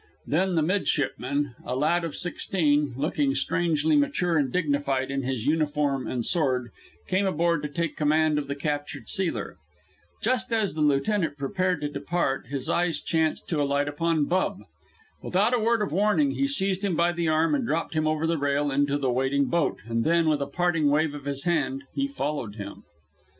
Then the midshipman, a lad of sixteen, looking strangely mature and dignified in his uniform and sword, came aboard to take command of the captured sealer. Just as the lieutenant prepared to depart, his eyes chanced to alight upon Bub. Without a word of warning, he seized him by the arm and dropped him over the rail into the waiting boat; and then, with a parting wave of his hand, he followed him.